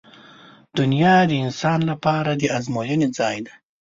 • دنیا د انسان لپاره د ازموینې ځای دی.